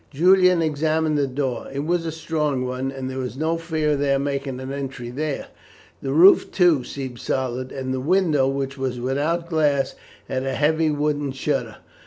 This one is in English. Julian examined the door. It was a strong one, and there was no fear of their making an entry there. The roof, too, seemed solid; and the window, which was without glass, had a heavy wooden shutter.